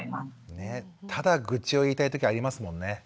ただ愚痴を言いたい時ありますもんね。